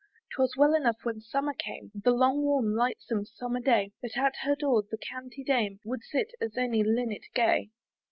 'Twas well enough when summer came, The long, warm, lightsome summer day, Then at her door the canty dame Would sit, as any linnet gay.